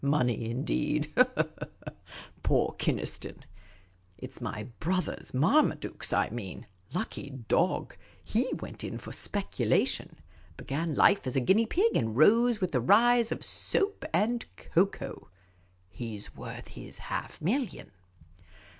Money, indeed ! poor Kynaston ! It 's my brother Marmaduke's I mean ; lucky dog, //^ went in for speculation — began life as a guinea pig, and rose with the rise of soap and cocoa. He 's worth his half million."